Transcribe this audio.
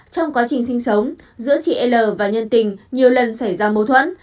trong quá trình sinh sống giữa chị l và nhân tình nhiều lần xảy ra mâu thuẫn